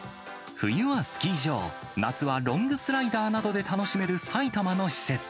冬はスキー場、夏はロングスライダーなどで楽しめる埼玉の施設。